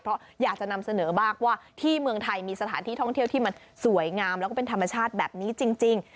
เพราะอยากจะนำเสนอบ้างว่าที่เมืองไทยมีสถานที่ท่องเที่ยวที่มันสวยงามแล้วก็เป็นธรรมชาติแบบนี้จริง